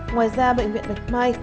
ngoài ra bệnh viện đạch mai